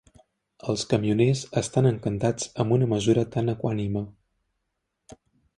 Els camioners estan encantats amb una mesura tan equànime.